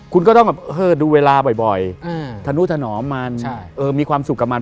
คุณก็ต้องแบบดูเวลาบ่อยทนุถนอมมันมีความสุขกับมัน